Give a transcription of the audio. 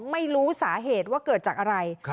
ไม่รู้สาเหตุว่าเกิดจากอะไร